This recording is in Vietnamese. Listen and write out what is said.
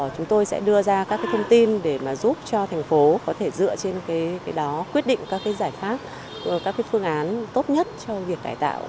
chúng tôi sẽ đưa ra các thông tin để giúp cho thành phố có thể dựa trên cái đó quyết định các giải pháp các phương án tốt nhất trong việc cải tạo